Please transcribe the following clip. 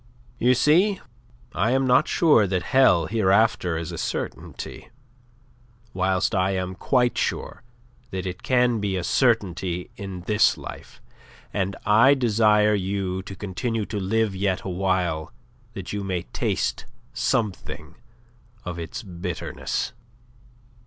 You see, I am not sure that hell hereafter is a certainty, whilst I am quite sure that it can be a certainty in this life; and I desire you to continue to live yet awhile that you may taste something of its bitterness.